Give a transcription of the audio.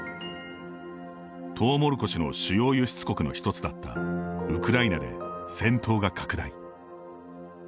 トウモロコシの主要輪出国の一つだったウクライナで戦闘が拡大。